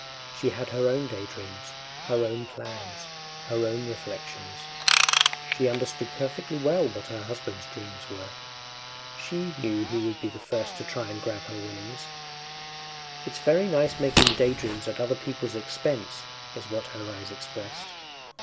She had her own daydreams, her own plans, her own reflections; she understood perfectly well what her husband’s dreams were. She knew who would be the first to try and grab her winnings. “It’s very nice making daydreams at other people’s expense!” is what her eyes expressed.